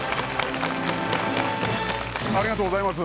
ありがとうございます。